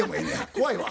怖いわ。